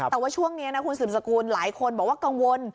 แต่ว่าช่วงนี้นะคุณสืบสกุลหลายคนบอกว่ากังวล